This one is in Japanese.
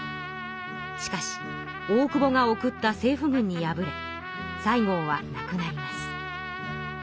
しかし大久保が送った政府軍に敗れ西郷はなくなります。